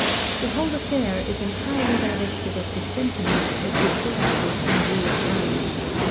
The whole affair is entirely divested of the sentiment that would sur round it in real life.